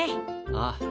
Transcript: ああ。